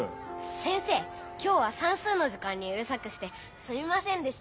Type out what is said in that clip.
先生今日は算数の時間にうるさくしてすみませんでした。